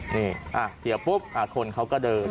นี่เกี่ยวปุ๊บคนเขาก็เดิน